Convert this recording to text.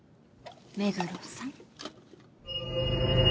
目黒さん。